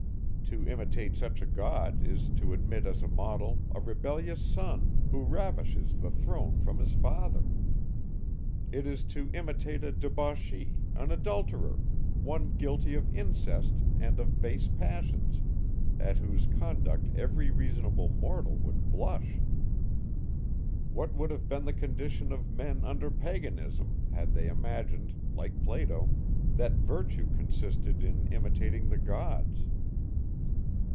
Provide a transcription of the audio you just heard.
To imitate such a god, is to admit as a model, a rebellious son, who ravishes the throne from his father. It is to imitate a debauchee, an adulterer, one guilty of incest and of base passions, at whose conduct every reasonable mortal would blush. What would have been the condition of men under paganism, had they imagined, like Plato, that virtue consisted in imitating the gods!